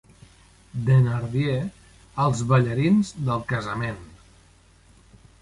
Thenardier als ballarins del casament.